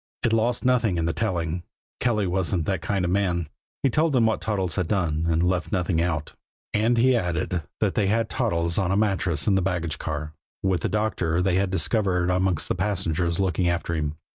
It lost nothing in the telling Kelly wasn't that kind of man he told them what Toddles had done, and he left nothing out; and he added that they had Toddles on a mattress in the baggage car, with a doctor they had discovered amongst the passengers looking after him.